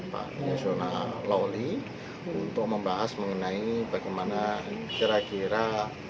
pak yasona lawli untuk membahas mengenai bagaimana kira kira